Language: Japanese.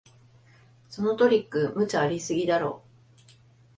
そのトリック、無茶ありすぎだろ